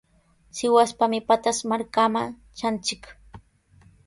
Sihuaspami Pataz markaman tranchik.